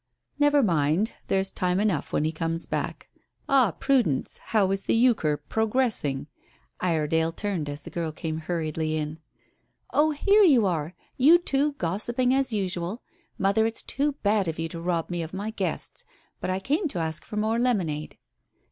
"Never mind, there's time enough when he comes back. Ah, Prudence, how is the euchre 'progressing'?" Iredale turned as the girl came hurriedly in. "Oh, here you are. You two gossiping as usual. Mother, it's too bad of you to rob me of my guests. But I came to ask for more lemonade."